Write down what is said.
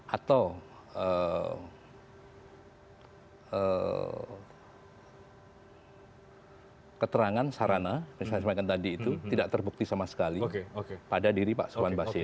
atau keterangan sarana yang saya sampaikan tadi itu tidak terbukti sama sekali pada diri pak suwan basir